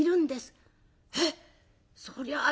「えっそりゃあ